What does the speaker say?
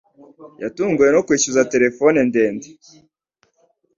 Yatunguwe no kwishyuza terefone ndende.